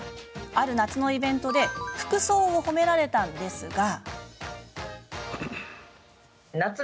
ある夏のイベントで服装を褒められたんですが。